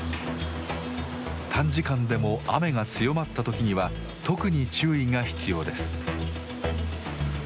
短時間でも雨が強まったときには特に注意が必要です。